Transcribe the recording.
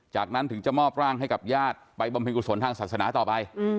จากนั้นถึงจะมอบร่างให้กับญาติไปบำเพ็ญกุศลทางศาสนาต่อไป